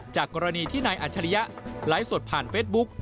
กรณีที่นายอัจฉริยะไลฟ์สดผ่านเฟซบุ๊ก